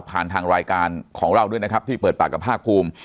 ทางรายการของเราด้วยนะครับที่เปิดปากกับภาคภูมิ